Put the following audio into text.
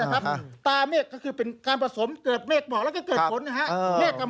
ตาเมฆกายหมอกก็คือเป็นการประสงค์เกิดเมฆกายหมอกแล้วก็เกิดผลนะครับ